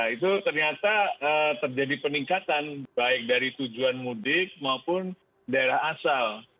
itu ternyata terjadi peningkatan baik dari tujuan mudik maupun daerah asal